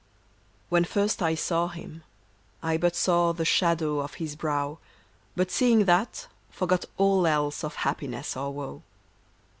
HEN first I saw him, I but saw The shadow on his brow, But, seeing that, forgot all else Of happiness or woe.